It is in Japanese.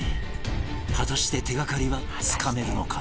果たして手がかりはつかめるのか？